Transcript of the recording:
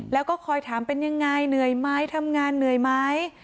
แล้วก็คอยถามเป็นยังไงเหนื่อยไหมทำงานเหนื่อยไหม